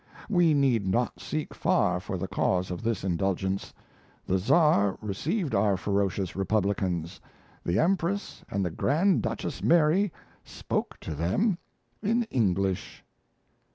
We need not seek far for the cause of this indulgence: the Czar received our ferocious republicans; the Empress, and the Grand Duchess Mary, spoke to them in English.